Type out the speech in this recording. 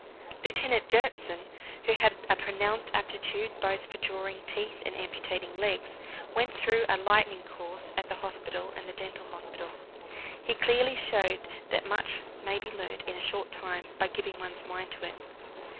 Lieutenant Gjertsen, who had a pronounced aptitude both for drawing teeth and amputating legs, went through a "lightning course" at the hospital and the dental hospital. He clearly showed that much may be learnt in a short time by giving one's mind to it.